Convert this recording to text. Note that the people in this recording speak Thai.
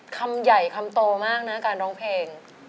คำใหญ่คำโตมากนะการร้องเพลง